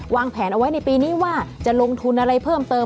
วางแผนเอาไว้ในปีนี้ว่าจะลงทุนอะไรเพิ่มเติม